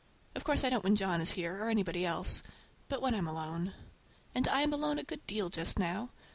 Of course I don't when John is here, or anybody else, but when I am alone. And I am alone a good deal just now.